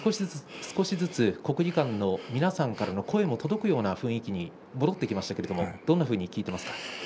少しずつ国技館の皆さんからの声も届くような雰囲気に戻ってきましたけどどんなふうに聞いていますか。